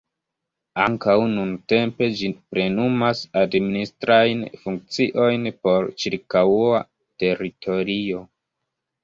Ankaŭ nuntempe ĝi plenumas administrajn funkciojn por ĉirkaŭa teritorio.